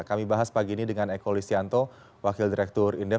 kami bahas pagi ini dengan eko listianto wakil direktur indef